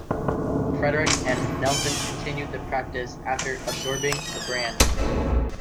Frederick and Nelson continued the practice after absorbing the brand.